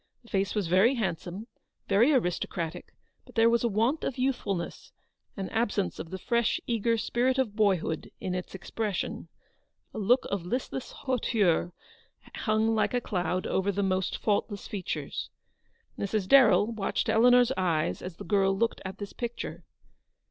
The face was very handsome, very aristocratic, but there was a want of youthfulness, an absence of the fresh, eager spirit of boyhood in its expression. A look of listless hauteur hung like a cloud over the almost faultless features. Mrs. Darrell watched Eleanor's eyes as the girl looked at this picture.